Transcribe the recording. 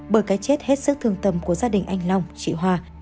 bởi cái chết hết sức thương tâm của gia đình anh long chị hoa